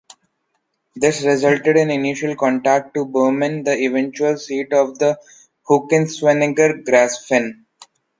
This resulted in initial contact to Böhmen, the eventual seat of the Hückeswagener Grafen.